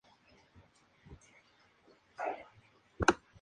Puede ser útil en casos de pacientes con hipersensibilidad a la penicilina.